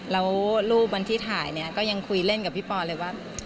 แล้วรูปวันที่ถ่ายเนี่ยก็ยังคุยเล่นกับพี่ปอเลยว่า